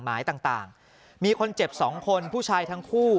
หมายต่างมีคนเจ็บ๒คนผู้ชายทั้งคู่